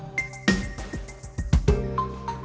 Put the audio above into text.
gimana menurut kamu